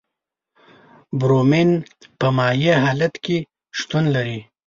برومین په مایع حالت کې شتون لري.